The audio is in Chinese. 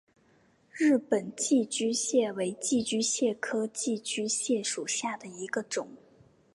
日本寄居蟹为寄居蟹科寄居蟹属下的一个种。